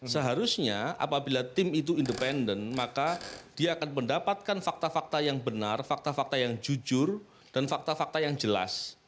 seharusnya apabila tim itu independen maka dia akan mendapatkan fakta fakta yang benar fakta fakta yang jujur dan fakta fakta yang jelas